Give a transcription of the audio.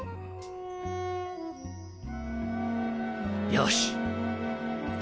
よし。